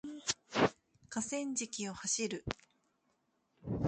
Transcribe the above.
河川敷を走る